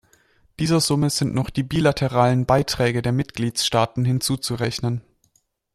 Dieser Summe sind noch die bilateralen Beiträge der Mitgliedstaaten hinzuzurechnen.